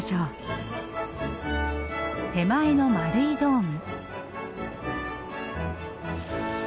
手前の丸いドーム。